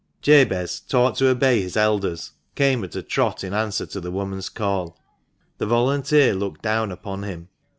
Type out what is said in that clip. Jabez, taught to obey his elders, came at a trot in answer to the woman's call. The volunteer looked down upon him.